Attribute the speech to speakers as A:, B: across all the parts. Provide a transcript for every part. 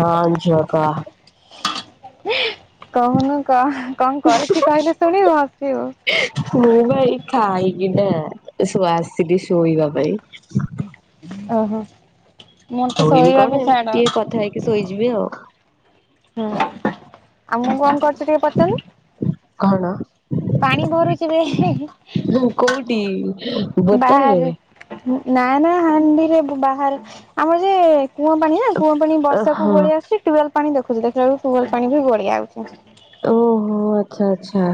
A: ହଁ ଝିଅ କହ।
B: କହୁନୁ କ କଣ କରୁଚି କହିଲେ ଶୁଣିବୁ ହସିବୁ।
A: ମୁଁ ବା ଏଇ ଖାଇକି ନା ଏସବୁ ଆସିଲି ଶୋଇବା ପାଇଁ।
B: ଓହୋ ମୋର ତ
A: ଶୋଇବି
B: ଶୋଇବା
A: କଣ
B: ବି
A: ଏମିତି
B: ଛାଡ।
A: ଟିକେ କଥା ହେଇକି ଶୋଇଯିବି ଆଉ।
B: ହୁଁ ଆଉ ମୁଁ କଣ କରୁଚି ଟିକେ ପଚାରୁନୁ।
A: କଣ?
B: ପାଣି ଭରୁଛି ବେ
A: ହୁଁ କୋଉଠି ବୋତଲରେ?
B: ନାଇ ନା ହାଣ୍ଡିରେ ଏବେ ବାହାରୁଚି। ଆମର ଯେ କୂଅ ପାଣି ନା? କୁଅ ପାଣି ବର୍ଷାକୁ
A: ଓହୋ
B: ଗୋଳିଆ ଆସୁଚି। ଟ୍ୟୁବେଲ ପାଣି ଦେଖୁ ଦେଖିଲା ବେଳକୁ ଟ୍ୟୁବେଲ ପାଣି ବି ଗୋଳିଆ ଆଉଚି।
A: ଓହୋ ଆଚ୍ଛା ଆଚ୍ଛା।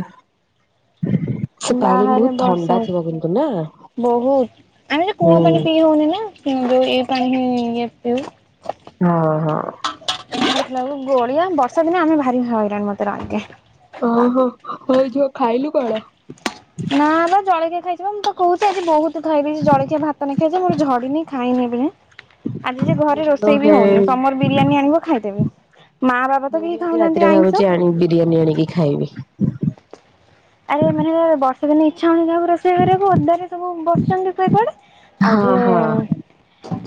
A: ସେ ପାଣି
B: ବାହାରେ
A: ବହୁତ ଥଣ୍ଡା
B: ବର୍ଷା
A: ଥିବ କିନ୍ତୁ ନା
B: ହଉଚି ବହୁତ। ଆମେ ତ
A: ହୁଁ
B: କୂଅ ପାଣି ପିଇ ହଉନି ନା। ଉଁ ଯୋଉ ଏଇ ପାଣି ହିଁ ନେଇ ପିଉ।
A: ହଁ ହ।
B: ଦେଖିଲା ବେଳକୁ ଗୋଳିଆ। ବର୍ଷା ଦିନେ ଆମେ ଭାରି ହଇରାଣ ମତେ ଲାଗେ।
A: ଓହୋ ହଉ ଝିଅ ଖାଇଲୁ କଣ?
B: ନା ବା ଜଳକିଆ ଖାଇଯିବା ମୁଁ ତାକୁ କହୁଚି ଆଜି ବହୁତ ଖାଇବି ଜଳଖିଆ ଭାତ ନେଖିଆ ମୋର ଝଡିନି ଖାଇନି ଏବେ ଯାଏଁ। ଆଜି ଯେ ଘରେ ରୋଷେଇ ବି
A: ଓହେ
B: ହଉନି। ସମର ବିରିୟାନୀ ଆଣିବ ଖାଇଦେବି। ମା ବାବା ତ କେହି ଖଉନାହାନ୍ତି ଆଇଁଷ।
A: ହୁଁ ବିରିୟାନୀ ଆଣିକି ଖାଇବି।
B: ଆରେ ମାନେ ବର୍ଷା ଦିନେ ଇଚ୍ଛା ହଉନି ତାପରେ। ସେ ଘରକୁ ଓଦାରେ ସବୁ ବସିଚନ୍ତି କୁ କୁଆଡେ ଆଉ
A: ହଁ ହଁ
B: ଯୋଉ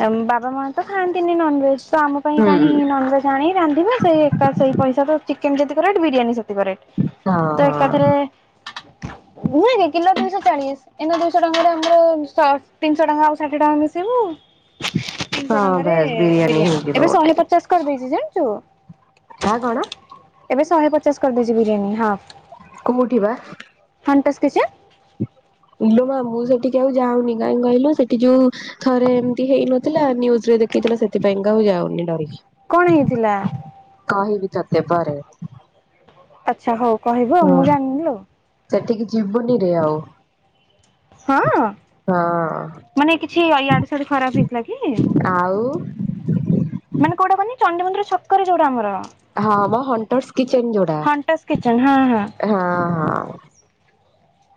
B: ଉଁ ବାବା ମା ତ ଖାଆନ୍ତିନି ନନଭେଜ। ତ ଆମ ପାଇଁ
A: ହୁଁ।
B: କାହିଁ ନନଭେଜ ଆଣିକି ରାନ୍ଧିବେ ସେଇ ଏକା ସେଇ ପଇସାରେ ତ ଚିକେନ ଯଦି କରିବା ବିରିୟାନୀ ସେ କରେ।
A: ହଁ
B: ତ ଏକାଥରେ
A: ହଁ
B: ନୁହେ କି କିଲୋ ଦୁଇ ଶହ ଚାଳିଶ। ଏଇନା ଦୁଇଶହ ଟଙ୍କାରେ ଆମର ସାଶ। ତିନିଶହ ଟଙ୍କା ଆଉ ଷାଠିଏ ଟଙ୍କା ମିଶିଇଲେ ତିନିଶହ
A: ହଁ
B: ଟଙ୍କାରେ
A: ବାସ୍
B: ବିରିୟାନୀ।
A: ହେଇଯିବ
B: ଏବେ
A: ଗୋଟେ।
B: ଶହେ ପଚାଶ କରିଦେଇଚି ଜାଣିଚୁ।
A: ହାଁ କଣ?
B: ଏବେ ଶହେ ପଚାଶ କରିଦେଇଚି ବିରିୟାନୀ ହାଫ୍।
A: କୋଉଠି ବା?
B: Santa's kitchen.
A: ଇଲୋ ମା ମୁଁ ସେଠିକି ଆଉ ଯାଉନି କାହିଁ କହିଲୁ ସେଠି ଯୋଉ ଥରେ ଏମତି ହେଇନଥିଲା, ନିୟୁଜରେ ଦେଖେଇଥିଲା ସେଥିପାଇଁକା ଆଉ ଯାଉନି ଡରିକି।
B: କଣ ହେଇଥିଲା?
A: କହି ବି ତ ତେ ଭରେ
B: ଆଚ୍ଛା ହଉ କହିବଉ ମୁଁ
A: ହଁ
B: ଜାଣିଲି ଆଉ
A: ସେଠିକି ଯିବୁନି ରେ ଆଉ।
B: ହଁ
A: ହଁ
B: ମାନେ କିଛି ଇଆଡେ ସଡୁ ଖରାପ ହେଇଥିଲା
A: ଆଉ
B: କି? ମାନେ କୋଉଟା କନି ଚଡିମନ୍ଦିର କରେ ଯୋଉଟା ଆମର।
A: ହଁ ହମ ହୁଣ୍ଟର୍ସ କିଚନ ଯୋଡା
B: ହଣ୍ଟସ୍ କିଚେନ୍ ହଁ ହଁ।
A: ହ ହ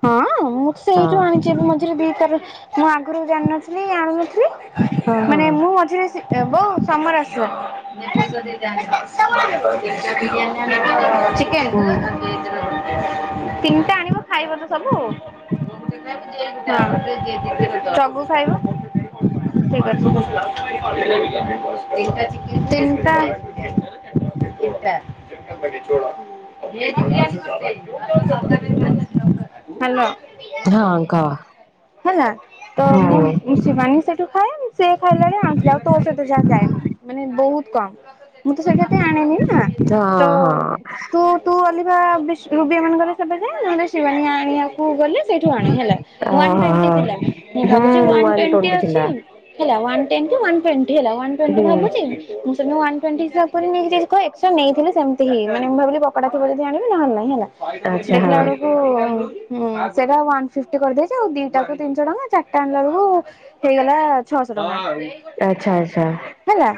B: ହଁ ମୁଁ
A: ହଁ
B: ସେଇଠୁ ଆଣିଛି ଏବେ ମଝିରେ ଦି ତାର ମୁଁ ଆଗରୁ ଜାଣିନଥିଲି ଆଣୁନଥିଲି।
A: ହଁ ହଁ
B: ମାନେ
A: ହଁ।
B: ମୁଁ ମଝିରେ ଏବ ସମର ଆସିବ [unintelligible] ତିନିଟା [unintelligible] ଖାଇବତ ସବୁ। ମୁ ଖାଇବ ଠିକ ଅଛି। ତିନିଟା [unintelligible] ହ୍ୟାଲୋ
A: ହଁ କହ
B: ହେଲା ତ ମୁଁ
A: ହଁ
B: ଶ ମାନ ସେଠୁ ଖାଏ ସେି ଖାଇଲା ବଳେ ଆଣିଥିଲେ ଆଉ ତୋ ସହିତ ଯାହା ଯାଏନି ମାନେ ବହୁତ କମ। ମୁଁ ତ ସେଇଠା ତ ଆଣିନି ନା
A: ହଁ
B: ତ
A: ହଁ ହଁ।
B: ତୁ ତୁ ଅଲିବା ରୁବି ଏମାନଙ୍କର ସେବେ ଯା ଶିବଣ ଆଣିବାକୁ। ଗଲେ ସେଇଠୁ ଆଣ ହେଲା ୱାନ ଟ୍ବେଣ୍ଟି ଥିଲା ମୁ ଭାବୁଚି
A: ହୁଁ
B: ୱାନ ଟ୍ବେଣ୍ଟି
A: ଟ୍ୱେଣ୍ଟି ଥିଲା
B: ଅଛି। ହେଲା ୱାନ ଟେନ୍ କି ୱାନ ଟେଣ୍ଟି ହେଲା ୱାନ ଟ୍ବେଣ୍ଟି
A: ହୁଁ
B: ଭାବୁଚି। ମୁଁ ସେ ୱାନ ଟ୍ବେଣ୍ଟି ହିସାବ ନେଇି ଏକ୍ସଟା ନେଇଥିଲି ସେମିତିି ମାନ ମୁ ଭାବି ପକଡାଥିବ ଯଦ ଆଣିବି ନହେଲୋଇଁ ହେଲା।
A: ଆଚ୍ଛା
B: ଦେଖିଲା
A: ହଁ।
B: ବେଳକୁ। ହୁଁ ସେଇଟ ୱାନ୍ ଫିଫ୍ଟି କରିଦେଇଛି ଆଉ ଦିଟା କୁ ତିନିଶହ ଟଙ୍କା ଚାରିଟା ଆଣିଲ ବେଳକୁ ହେଇଗଲା ଛଅଶହ ଟଙ୍କା।
A: ଆଚ୍ଛା ଆଚ୍ଛା।
B: ହେଲା।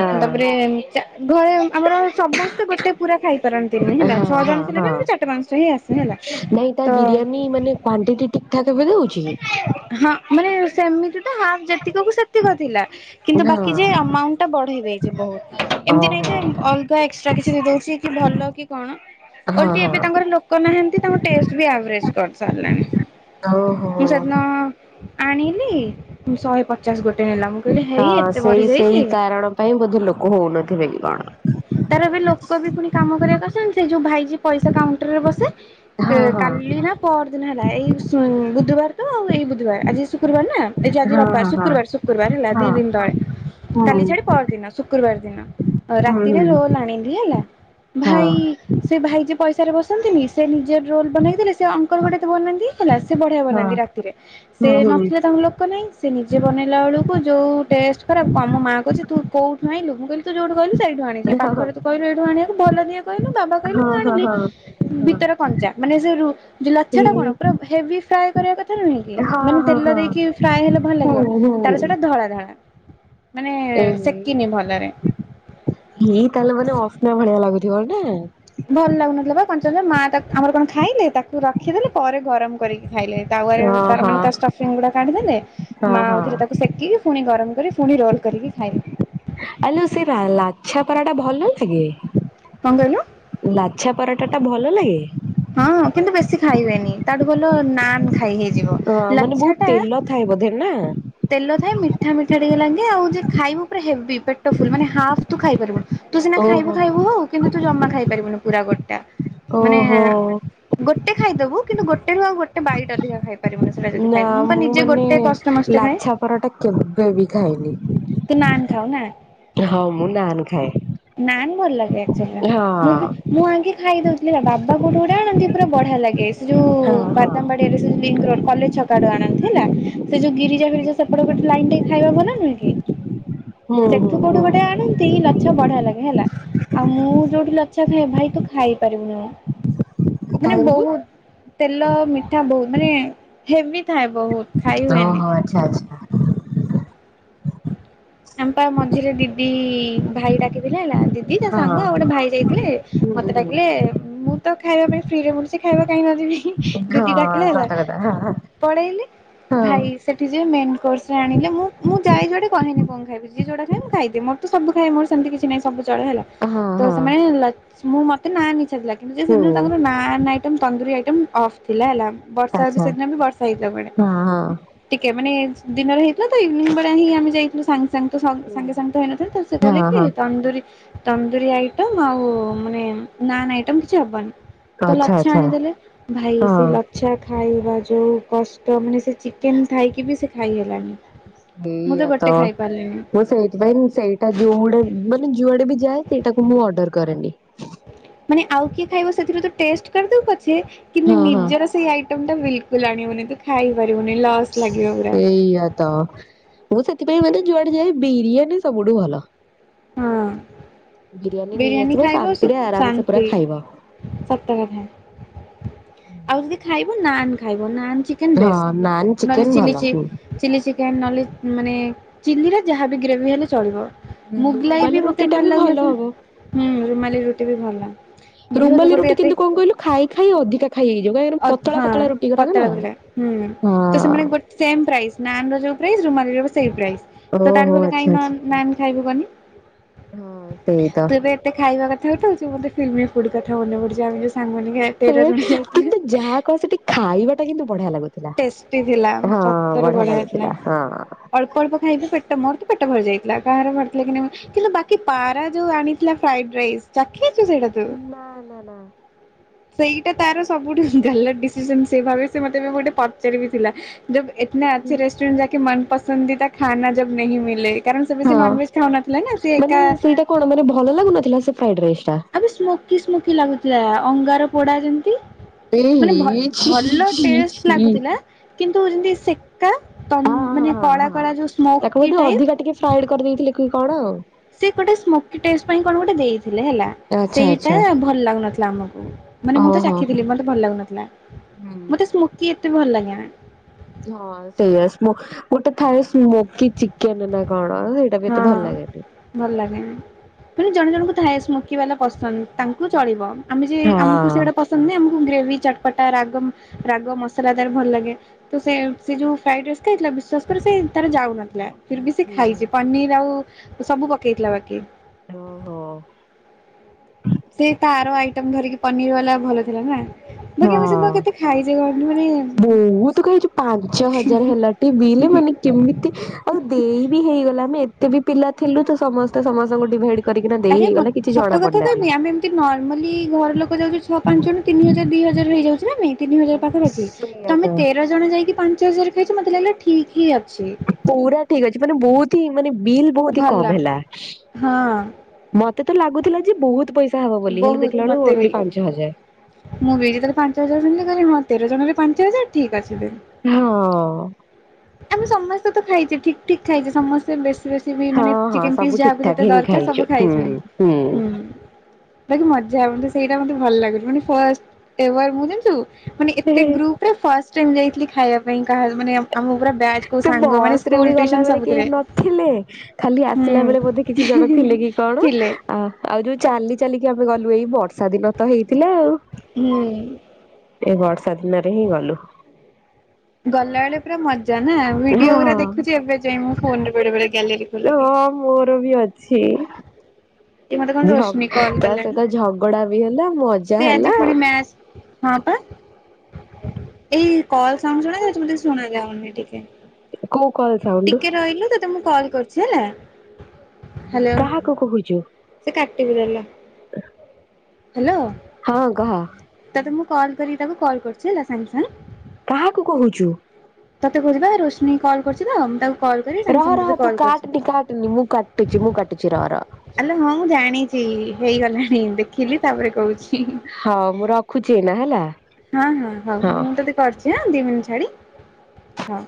A: ହଁ
B: ତାପରେ ଚା ଘରେ ଆମର ସମସ୍ତେ ଗୋଟେ ପୁରା ଖାଇପାରନ୍ତିନି ହେଲା ଛଅ
A: ହଁ ହଁ
B: ଜଣ
A: ହଁ।
B: ଥିଲେବି ଆମେ ଚାରିବା ପାଞ୍ଚଟା ହିଁ ଆସେ। ହେଲା।
A: ନାଇଁ ତା
B: ତ
A: ବିରିୟାନୀ ମାନେ କ୍ଵାଣ୍ଟିଟି ଠିକ୍ ଠାକ୍ ଏବେ ଦଉଛି।
B: ହଁ ମାନେ ସେମିତି ତ ହାଫ୍ ଯେତିକ କୁ ସେତିକ ଥିଲା। କିନ୍ତୁ
A: ନା
B: ବାକି ଯେ ଆମାଉଣ୍ଟ ଟା ବଢେଇ ଦେଇଚି ବହୁତ ଏମିତି ନାଇଁ
A: ଓହୋ
B: ଯେ ଅଲଗା ଏକ୍ସଟ୍ରା କିଛି ଦେଉଛି କି ଭଲ। କି କଣ
A: ହଁ
B: ଓଲଟି
A: ହଁ
B: ଏବେ ତାଙ୍କର ଲୋକ ନାହାନ୍ତି ତାଙ୍କ ଟେଷ୍ଟ ବି ଆଭରେଜ କରିସାରିଲାଣି।
A: ହଉ।
B: ମୁଁ ସେଦିନ ଆଣିଲି। ଶହେ ପଚାଶ ଗୋଟେ ନେଲା ମୁଁ କହିଲି ହେଇ
A: ହଁ
B: ଏତେ ବଢି
A: ସେଇ ସେଇ
B: ଯାଇଛି।
A: କାରଣ ପାଇଁ ବୋଧେ ଲୋକ ହଉନଥିବେ କି କଣ?
B: ତାର ବି ଲୋକ ବି ପୁଣି କାମ କରିବାକୁ ଆସନ୍ତି ସେ ଯୋଉ ଭାଇ ପଇସା କାଉଣ୍ଟର ରେ ବସେ।
A: ହଁ ହଁ
B: କାଲି ନା ପର ଦିନ ହେଲା ଏଇ ବୁଧବାର ତ ଆଉ ଏଇ ବୁଧବାର ଆଜି ଶୁକ୍ରବାର। ଏଇ ଯୋ ଆଜି
A: ହଁ ହଁ
B: ରବିବାର
A: ହଁ
B: ଶୁକ୍ରବାର ଶୁକ୍ରବାର ହେଲା
A: ହଁ
B: ଦି ଦିନ୍ ତଳେ।
A: ହୁଁ
B: କାଲି ଛାଡ଼ି ପର ଦିନ ଶୁକ୍ରବାର ଦିନ
A: ହୁଁ ହୁଁ
B: ରାତିରେ ରୋଲ ଆଣିଲି ହେଲା।
A: ହଁ
B: ଭାଇ। ସେ ଭାଇ ପଇସାରେ ବସନ୍ତିନି ସେ ନିଜେ ରୋଲ ବନେଇକିଦେଲେ ସେ ଅଙ୍କଲ ଗୋଟେ ତୋ ବନାନ୍ତି ହେଲା ସେ ବଢିଆ
A: ହଁ
B: ବନାନ୍ତି। ରାତିରେ ସେ
A: ହୁଁ ହୁଁ
B: ନଥିଲେ ତାଙ୍କ ଲୋକ ନାଇଁ। ସେ ନିଜେ ବନେଇଲା ବେଳକୁ ଯୋଉ ଟେଷ୍ଟ ଖରାପ ତ ମ ମାଆ କହୁଛି ତୁ କୋଉଠୁ ଆଣିଲୁ ମୁଁ କହିଲି ତୁ ଯୋଉଠୁ କହିଲୁ। ସେଇଠୁ ଆଣିଛିି
A: ହଁ ହଁ
B: ପାଖରେ ତ କହିଲୁ ଏଇଠୁ ଆଣିବାକୁ ଭଲ ଦିଏ କହିଲୁ ବାବା କହିଲେ ମୁଁ
A: ହଁ ହଁ ହଁ
B: ଆଣିଲି।
A: ହଁ
B: ଭିତର କଞ୍ଚା ମାନେ ସେ ଲଛା ଟା କଣ ପୁରା ହେଭି ଫ୍ରାଏ କରିବା କଥା। ନୁହେଁ କି ମାନେ
A: ହଁ
B: ତେଲ
A: ହଁ
B: ଦେଇକି ଫ୍ରାଏ ହେଲେ ଭଲ ଲାଗିବ
A: ହୁଁ ହୁଁ
B: ତାପରେ ସେଇଟା ଧଳା ଧଳା। ମାନେ ସେକିନି ଭଲରେ।
A: ହେଇ ତାହେଲେ ମାନେ ଅସ୍ନା ଭଳିଆ ଲାଗୁଥିବ ନା?
B: ଭଲ ଲାଗୁନଥିଲା ବା କଞ୍ଚା ର ମା ତାକୁ ଆମର କଣ ଖାଇଲେ ତାକୁ ରଖିଦେଲେ ପରେ ଗରମ କରିକି ଖାଇଲେ ତାୱାରେ
A: ହଁ
B: ତାର
A: ହଁ
B: ମାନେ ଷ୍ଟୋଫିଙ୍ଗ୍ ଗୁଡାକାଡ଼ିଦେଲେ
A: ହଁ
B: ମା
A: ହଁ
B: ଆଉଥରେ ତାକୁ ସେ କି କି ପୁଣି ଗରମ କରି ପୁଣି ରୋଲ୍ କରିକି ଖାଇଲେ।
A: ଆଲୋ ସେ ଲାଛା ପରାଟା ଭଲ ଲାଗେ?
B: କଣ କହିଲ?
A: ଲାଛା ପରଟା ଟା ଭଲ ଲାଗେ?
B: ହଁ କିନ୍ତୁ ବେଶୀ ଖାଇ ହୁଏନି ତାଠୁ ଭଲ ନାନ୍ ଖାଇ ହେଇ
A: ଅହ ମାନେ ବହୁତ ତେଲ ଥାଏ ବୋଧେ ନା?
B: ତେଲ ଥାଏ ମିଠା ମିଠା ଟିକେ ଲାଗେ ଆଉ ଯେ ଖାଇବୁ ପୁରା ହେବି ପେ ଟ ଫୁଲ୍ ମାନେ ହାଫ୍ ତୁ ଖାଇପାରିବୁନୁ ତୁ ସିନା ଖାଇବୁ
A: ଓହୋ
B: ଖାଇବୁ ହବୁ କିନ୍ତୁ ତୁ ଜମା ଖାଇ ପାରିବୁନୁ ପୁରା ଗୋଟା। ମାନେ
A: ଓହୋ।
B: ଗୋଟେ ଖାଇଦବୁ କିନ୍ତୁ ଗୋଟେ ରୁ ଆଉ ଗୋ ଟେ ବାଇଟ୍ ଅଧିକା ଖାଇପାରିବୁନି ସେଟା ଯଦି
A: ନା
B: ଖାଇବୁ ମୁଁ ତ ନିଜେ
A: ମାନେ
B: ଗୋଟେ କଷ୍ଟମଷ୍ଟେ ଖାଏ।
A: ଲାଛା ପରଟା କେବେ ବି ଖାଇନି।
B: ତୁ ନାନ୍ ଖାଉ ନା?
A: ହଁ ମୁଁ ନାନ୍ ଖାଏ।
B: ନାନ୍ ଭଲ ଲାଗେ ଆକ୍ଚୁଲି
A: ହଁ
B: ମୁଁ ବି ମୁଁ ଆଗେ ଖାଇଦଉଥିଲି ବାବା କୋଉଠୁ ଗୋଟେ ଆଣନ୍ତି ପୁରା ବଢ଼ିଆ ଲାଗେ ସେ ଯୋଉ
A: ହଁ ହଁ।
B: ବାଦାମ ବାଡ଼ିରେ ସେ ଯୋଉ ଲିଙ୍କ୍ ରୋଡ୍ କଲେଜ ଛକ ଆଡ଼ୁ ଆଣନ୍ତି ହେଲା। ସେ ଯୋଉ ଗିରିଜା ଫିରିଜା ସେପଟ ଗୋଟେ ଲାଇନ୍ ଟେ ଖାଇବା ଭଲ ନୁହେଁ କି?
A: ହୁଁ ହୁଁ
B: ସେଠୁ କୋଉଠୁ
A: ହୁଁ
B: ଗୋଟେ ଆଣନ୍ତି ଲଚ୍ଛା ବଢ଼ିଆ ଲାଗେ ହେଲା। ଆଉ ମୁଁ ଯୋଉଠି ଲଛା ଖାଏ ଭାଇ ତୁ ଖାଇ ପାରିବୁନି। ମାନେ
A: କାହିଁକି?
B: ବହୁତ ତେଲ ମିଠା ବହୁତ ମାନେ ହେଭି ଥାଏ ବହୁତ। ଖାଇ
A: ଓ
B: ହୁଏନି।
A: ହୋ ଆଚ୍ଛା ଆଚ୍ଛା।
B: ଆମ ପା ମଝିରେ ଦିଦି ଭାଇ ଡାକିଥିଲେ ହେଲା ଦି ଦି ତା
A: ହଁ
B: ସାଙ୍ଗ ଆଉ ଗୋଟେ ଭାଇ ଯାଇଥିଲେ
A: ହୁଁ
B: ମତେ ଡାକିଲେ
A: ହୁଁ
B: ମୁଁ ତ ଖାଇବା ପାଇଁ ଫ୍ରୀ ମିଳୁଛି ଖାଇବା କାଇଁ ନ ଯିବି। ଦିଦି ଡାକିଲା
A: ହଁ
B: ହେଲା
A: ସତ କଥା ହଁ ହଁ।
B: ପଳେଇଲି ଭାଇ
A: ହଁ
B: ସେଠି ଯେ ମେନ୍ କୋର୍ସରୁ ଆଣିଲେ ମୁଁ ମୁଁ ଯାଏ ଯୁଆଡ଼େ କହେନି କଣ? ମତେ ଯିଏ ଯଉଟା ଖାଏ ମୁଁ ଖାଇଦିଏ ମୋର ତ ସବୁ ଖାଏ ମୋର ସେମତି କିଛି ନାଇଁ ସବୁ ଚଳେ ହେଲା
A: ହଁ
B: ତ
A: ହଁ
B: ସେମାନେ [unintelligible] ମୁଁ ମତେ [unintelligible] ଲାଗେ ମୁଁ ଯଦି ସେଦିନ
A: ହୁଁ
B: ତାଙ୍କର ନାନ୍ ଆଇଟମ୍ ତନ୍ଦୁରୀଆଇଟମ୍ ଅସ ଥିଲା ହେଲା ବର୍ଷା ବି
A: ଆଚ୍ଛା
B: ସେଦିନ ବି ବର୍ଷା ହେଇଥିଲା କୁଆଡ଼େ
A: ହଁ ହଁ।
B: ଟିକେ ମାନେ ଦିନର ହେଇଥିଲା ତ ଇଭିନିଂ ଭଳିଆ ହି ଆମେ ଯାଇଥିଲୁ ସାଙ୍ଗ ତ ସଙ୍ଗ
A: ହୁଁ।
B: ସାଙ୍ଗେ ସାଙ୍ଗେ ତ ହେଇନଥାନ୍ତା ତ ସେ କହିଲେ
A: ହଁ
B: କି
A: ହଁ
B: ତନ୍ଦୁରୀ ତନ୍ଦୁରି ଆଇଟମ୍ ଆଉ ମାନେ ନାନ୍ ଆଇଟମ୍ କିଛି ହବନି। ତ
A: ଆଚ୍ଛା
B: ଲଚ୍ଛା
A: ଆଚ୍ଛା
B: ଆଣିଦେଲେ ଭାଇ
A: ହଁ
B: ସେ ଲ ଚ୍ଛା ଖାଇବା ଯୋଉ କଷ୍ଟ ମାନେ ସେ ଚିକେନ୍ ଥାଇକି ବି ସେ ଖାଇ ହେଲାନି। ମୁଁ ତ ଗୋଟେ ଖାଇ ପାରିଲିିନି।
A: ସେଇଥିପାଇଁ ମୁଁ ସେଇଟା ଯୋଉ ଗୋଟେ ମାନେ ଯୁଆଡ଼େ ବି ଯାଏ ସେଇଟାକୁ ମୁଁ ଅର୍ଡର କରେନି।
B: ମାନେ ଆଉ କିଏ ଖାଇବ ସେଥିରୁ ତୁ ଟେଷ୍ଟ କରିଦବୁ ପଛେ କିନ୍ତୁ
A: ହଁ ହଁ।
B: ନିଜର ସେଇ ଆଇଟମ୍ ଟା ବିଲକୁଲୁ ଆଣିବୁନି ତୁ ଖାଇ ପାରିବୁନି ଲସ୍। ଲାଗିବ ପୁରା।
A: ସେଇଆ ତ ମୁଁ ସେଥିପାଇଁ ମାନେ ଯୁଆଡେ ଯାଏ ବିରିୟାନୀ ସବୁଠୁ ଭଲ।
B: ହଁ
A: ବିରିୟାନୀ ନେଇ ଆସିବ
B: ଖାଇବ ସୁ
A: ଶାନ୍ତିରେ ଆରାମ ସେ ପୁରା
B: ଶାନ୍ତି
A: ଖାଇବା।
B: ସତ କଥା, ଆଉ ଯଦି ଖାଇବ ନାନ୍ ଖାଇବ ନାନ୍ ଚି ଚିକେନ୍
A: ହଁ
B: ବେଷ୍ଟ
A: ନାନ୍
B: ନହେଲେ
A: ଚିକେନ
B: ଚିଲି
A: ଭଲ।
B: ଚି
A: ହୁଁ
B: ଚିଲି ଚିକେନ୍ ନହଲେ ମାନେ ଚିଲିର ଯାହବି ଗ୍ରେଭି ହେଲେ ଚଳିବ। ମୁଗଲାଇ
A: ରୁମାଲି
B: ବି
A: ରୁଟି
B: ମୋତେ
A: ଟା
B: ଭଲ
A: ହବ।
B: ଲାଗୁନଥିଲା ରୁମାଲି ରୁଟି ବି ଭଲ। ଝିଅ ତୁ
A: ରୁଵାଲି
B: ଗୋଟେ
A: ରୁଟି
B: ଏତେ
A: କିନ୍ତୁ କଣ କହିଲୁ ଖାଇ ଖାଇ ଅଧିକା। ଖାଇ ହେଇ ଯିବ ଗା ଏରା
B: ଅ
A: ପତଳା
B: ହଁ
A: ପତଳା ରୁଟି ଗୁରାକ
B: ପତଳା
A: ନା
B: ପତଳା ହୁଁ ତ ସେମାନେ
A: ହଁ।
B: ଗୋ ସେମ୍ ପ୍ରାଇସ୍ ନାନ୍ ର ଯଉ ପ୍ରାଇସ ରୁମାଲି ଯାକ ସେଇ ପ୍ରାଇସ୍। ତ ତାଠୁ
A: ଓହୋ
B: ଭଲ
A: ଆଚ୍ଛା
B: କାଇଁ ନ
A: ଆଚ୍ଛା।
B: ନାନ୍ ଖାଇବୁ କନି?
A: ହଁ ସେଇ ତ।
B: ତ ଖାଇବା କଥା ଉଠଉଚୁ। ମତେ କ୍ରିମ୍ ବିସ୍କୁଟ୍ କଥା ମନେ ପଡ଼ୁଚି। ଆମେ ଯୋଉ ସାଙ୍ଗମାନେ ଘେ
A: ଏ
B: ତେର ଜଣ ଯାଇ
A: କିନ୍ତୁ ଯାହା କଣ ସେଠି ଖାଇବାଟା କିନ୍ତୁ ବଢ଼ିଆ ଲାଗୁଥିଲା।
B: ଏ ଥିଲା ଉଁ
A: ହଁ
B: ସତରେ
A: ବଢିଆ
B: ବଢ଼ିଆ ଥିଲା।
A: ଲାଗୁଥିଲା ହଁ।
B: ଅଳ୍ପ ଅଳ୍ପ ଖାଇକି ପେଟ ମୋର ତ ପେଟ ଭରିଯାଇଥିଲା କାହାର ଭରଥିଲା କି ନାଇଁ ମ କିନ୍ତୁ ବାକି ପାରା ଯୋଉ ଆଣିଥିଲା ଫ୍ରାଇଡ୍ ରାଇସ୍ ଚାଖିଚୁ ସେଇଟା ତୁ
A: ନା ନା ନା
B: ସେଇଟା ତାର ସବୁଠୁ ଗାଲାର୍ ଡିସିସନ୍ ସେଇ ଭାବେ ସେ ମତେ ଗୋଟେ ପଚାରି ବି ଥିଲା ଯବ୍ ଇତନା ଆଛା ରେଷ୍ଟୁରାଣ୍ଟ ଯାକେ ମନ ପସନ୍ଦିତା ଖାନା ଯବ୍ ନେହି ମିଲେ କାରଣ ସେ ବେଶୀ
A: ହଁ
B: ନନ୍ ଭେଜ ଖାଉନଥିଲା। ନା ସିଏ
A: ମାନେ
B: ଏକା
A: ସେଇଟା କଣ ମାନେ ଭଲ ଲାଗୁନଥିଲା ସେ ଫ୍ରାଇଡ ରାଇସ୍ ଟା।
B: ଆବେ ସ୍ଲୋ କି ସ୍ମୁଥି ଲାଗୁଥିଲା ଅଙ୍ଗାର ପୋଡ଼ା ଯେମତି। ମାନେ ଭ
A: ଏଇ ଛି
B: ଭଲ
A: ଛି
B: ଟେଷ୍ଟ
A: ଛି।
B: ଲାଗୁଥିଲା। କିନ୍ତୁ ଯେମତି ସେକା ତଁ
A: ହଁ ହଁ
B: ମାନେ କଳା କଳା ଯୋଉ ସ୍ମୋକି ଟାଇପ୍।
A: ସାଇଡ୍ କରି ଦେଇଥିଲେ କି କଣ।
B: ସେ ଗୋଟେ ସ୍ମୋକି ଟେଷ୍ଟ ପାଇଁ କଣ ଗୋଟେ ଦେଇଥିଲେ ହେଲା।
A: ଆଚ୍ଛା
B: ସେଇଟା
A: ଆଚ୍ଛା
B: ଭଲ ଲାଗୁନଥିଲା ଆମକୁ। ମାନେ ମୁଁ ତ
A: ଓହୋ।
B: ଚାଖିଥିଲି। ମତେ ଭଲ ଲାଗୁନଥିଲା।
A: ହୁଁ।
B: ମତେ ସ୍ମୋକି ଏତେ ଭଲ ଲାଗେନା।
A: ହଁ ସେଇଆ ସ୍ମୋ ଗୋଟେ ଥାଏ ସ୍ମୋକି ଚିକେନ୍ ନାଁ କଣ ହେ
B: ହଁ। ଭଲ ଲାଗେନି ପୁଣି ଜଣେ ଜଣଙ୍କୁ ଥାଏ ସ୍ମୋକି ବାଲା ପସନ୍ଦ ତାଙ୍କୁ ଚଳିବ। ଆମେ ଯେ ଆମୁକୁ
A: ହଁ
B: ସେଉଡା ପସନ୍ଦ ନୁହେଁ। ଆମୁକୁ ଗ୍ରେଭି ଚଟ୍ ପଟା ରାଗମ୍ ରାଗ ମସଲାଦାର ଭଲ ଲାଗେ। ତ ସେ ସେ ଯୋଉ ଫ୍ରାଇଡ଼ ରାଇସ୍ ଖାଇଥିଲା ବିଶ୍ଵାସ କର ସେ ତାର ଯାଉନଥୁଲା। ଫିର୍ ବି ସେ ଖାଇଚି ପନିର୍ ଆଉ ସବୁ ପକେଇଥିଲା ବାକି।
A: ଓହୋ।
B: ସେ ତାର ଆଇଟମ୍ ଧରିକି ପନିର ବାଲା ଭଲ ଥିଲା ନା। ବାକି
A: ହଁ
B: ଆମେ ସେଦିନ କେତେ ଖାଇଛେ କହନି ମାନେ
A: ବୋହୁତ ଖାଇଚୁ ପାଞ୍ଚ ହଜାର ହେଲା ଟେ ବିଲି ମାନେ କେମିତି ଆଉ ଦେଇ ବି ହେଇଗଲା ଆମେ ଏତେ ବି ପିଲା ଥିଲୁ ତ ସମସ୍ତେ ସମସ୍ତଙ୍କୁ ଡିଭାଇଡ୍
B: ଆରେ ମ ସତ କଥା କହିବି ଆମେ ଏମତି ନର୍ମାଲି ଘର ଲୋକ ଯାଉଚୁ ଛଅ ପାଞ୍ଚ ଜଣ ତିନି ହଜାର ଦି ହଜାର ହେଇଯାଉଚି ନାଁ ନାଇଁ ତିନି ହଜାର ପାଖାପାଖି
A: ସେଇଆ ତ
B: ତମେ ତେର ଜଣ ଯାଇକି ପାଞ୍ଚ ହଜାର ଖାଇଚ ମତେ ଲାଗିଲା ଠିକ୍ ହିଁ ଅଛି।
A: ପୁରା ଠିକ୍ ଅଛି ମାନେ ବୋହୁତ ହିଁ ମାନେ ବିଲ୍ ବୋହୁତି
B: ଭଲ।
A: କମ ହେଲା।
B: ହଁ
A: ମତେ ତ ଲାଗୁଥିଲା ଯେ ବୋହୁତ ପଇସା ହବ ବୋଲି ହେଲେ
B: ବହୁତ
A: ଦେଖିଲା ଅଳୁ
B: ମତେ ବି।
A: ଓନ୍ଲି ପାଞ୍ଚ ହଜାର।
B: ମୁଁ ବି ଯେତଳେ ପାଞ୍ଚ ହଜାର ଶୁଣିଲି କହିଲି ହଁ ତେର ଜଣରେ ପାଞ୍ଚ ହଜାର ଠିକ୍ ଅଛି ଦେ
A: ହଁଅ।
B: ଆମେ ସମସ୍ତେ ତ ଖାଇଛେ ଠିକ ଠିକ ଖାଇଛେ ସମସ୍ତେ ବେଶୀ ବେଶୀ ମାନେ
A: ହଁ ହଁ
B: ଚିକେନ
A: ସବୁ
B: ପିସ୍
A: ଠିକ
B: ଯାହାକୁ
A: ଠାକ
B: ଯେତେ
A: ହିଁ
B: ଦରକାର
A: ଖାଇଛୁ
B: ସବୁ ଖାଇଛନ୍ତି
A: ହୁଁ
B: ହୁଁ ବାକି ମଜାହେବ ତ ସେଇଟା ମୋତେ ଭଲ ଲାଗୁଛି ମାନେ ଫାଷ୍ଟ ଟେ ୱାଇ ମୁଁ ଜାଣିଛୁ ମାନେ ଏତେ ଗ୍ରୁପ ରେ ଫାଷ୍ଟ ଟାଇମ ଯାଇଥିଲି ଖାଇବା ପାଇଁ କାହା ମାନେ ଆଉ ମୁଁ ପୁରା ବ୍ୟାଚ୍ କୋଉ
A: ସେ
B: ସାଙ୍ଗ ମାନେ
A: ବସରେ
B: ସ୍କୁଲ
A: ବି
B: ଟ୍ୟୁସନ
A: ଗଲା ବେଳେ କେହି
B: ସବୁଥିରେ
A: ନଥିଲେ ଖାଲି ଆସିଲା ବେଳେ ବୋଧେ କିଛି ଜଣ
B: ହୁଁ
A: ଥିଲେ କି କଣ
B: ଥିଲେ
A: ଆ ଆଉ ଯୋଉ ଚାଲି ଚାଲିକି ଆମେ ଗଲୁ ଏଇ ବର୍ଷା ଦିନ ତ ହେଇଥିଲା ଆଉ
B: ହୁଁ
A: ଏ ବର୍ଷା ଦିନରେ ହିଁ ଗଲୁ
B: ଗଲା ବେଳେ ପୁରା ମଜା ନା ଭିଡିଓ
A: ହଁ
B: ଗୁରା ଦେଖୁଛି ଏବେ ଯାଏ ମୁଁ ଫୋନରେ ବେଳେବେଳେ ଗ୍ୟାଲେରୀ ଖୋଲିକି
A: ହଁ ମୋର ବି ଅଛି
B: ଏ ମତେ କଣ
A: ଝ
B: ରୋଶନୀ କଲ୍
A: ତା
B: କଲାଣି
A: ସହିତ ଝ ଝଗଡା ବି ହେଲା ମଜ
B: ସେ ଆଜି ପୁଣି ମ୍ୟାଚ ହଁ ପା ଏଇ କଲ ସାଉଣ୍ଡ ଶୁଣା ଯାଉଛି ମତେ ଶୁଣା ଯାଉନି ଟିକେ
A: କୋଉ କଲ ସାଉଣ୍ଡ
B: ଟିକେ ରହିଲୁ ତୋତେ ମୁଁ କଲ୍ କରୁଛି ହେଲା ହ୍ୟାଲୋ
A: କଣ କହୁଛୁ
B: ସେ କାଟିବି ଦେଲା ହ୍ୟାଲୋ
A: ହଁ କହ
B: ତତେ ମୁଁ କଲ୍ କରି ତାକୁ କଲ୍ କରୁଛି ହେଲା ସାଙ୍ଗେ ସାଙ୍ଗେ
A: କାହାକୁ କହୁଛୁ
B: ତତେ କହୁଛିବା ରୋଶମୀ କଲ କରୁଛି ତ ମୁଁ ତାକୁ କଲ୍ କରି ସାଙ୍ଗେ ସାଙ୍ଗେ
A: ରହରହ
B: ତତେ
A: ତୁ
B: କଲ୍ କରୁଛି।
A: କାଟେନି କାଟେନି ମୁଁ କାଟୁଛି ମୁଁ କାଟୁଛି ରହରହ
B: ଆଲୋ ହଁ ମୁଁ ଜାଣିଛି ହେଇଗଲାଣି ଦେଖିଲି ତାପରେ କହୁଛି
A: ହଁ ମୁଁ ରଖୁଛି ଏଇନା ହେଲା
B: ହଁ ହଁ ହଉ ମୁଁ ତତେ କରୁଛି ଆଁ ଦି ମିନିଟ ଛାଡି ହଉ